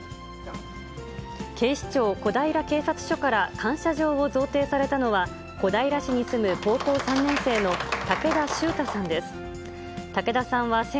警視庁小平警察署から感謝状を贈呈されたのは、小平市に住む高校３年生の武田しゅうたさんです。